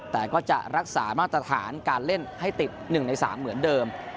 แต่ก็จะรักษามาตรฐานการเล่นให้ติด๑ใน๓เหมือนเดิม